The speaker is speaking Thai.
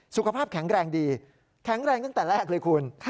สุขภาพแข็งแรงดีแข็งแรงตั้งแต่แรกเลยคุณ